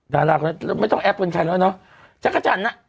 ดาราคนนั้นไม่ต้องแอปเป็นใครแล้วเนอะจักรจันทร์อ่ะ